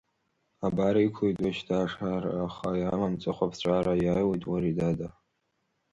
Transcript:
Абар иқәлоит уажәшьҭа ашара, Аха иамам ҵыхәаԥҵәара, Иааҩуеит Уаридада.